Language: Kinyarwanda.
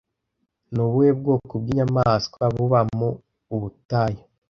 Ni ubuhe bwoko bw'inyamaswa buba mu Ubutayu